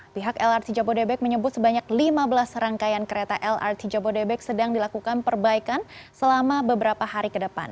pihak lrt jabodebek menyebut sebanyak lima belas rangkaian kereta lrt jabodebek sedang dilakukan perbaikan selama beberapa hari ke depan